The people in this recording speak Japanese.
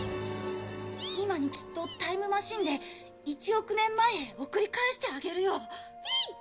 今にきっとタイムマシーンで１億年前へ送り返してあげるよ。